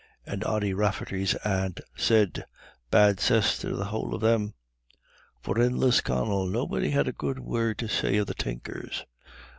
And Ody Rafferty's aunt said, "Bad cess to the whole of them." For in Lisconnel nobody has a good word to say of the Tinkers.